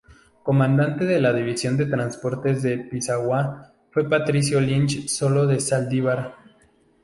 Comandante de la división de transportes en Pisagua fue Patricio Lynch Solo de Zaldívar.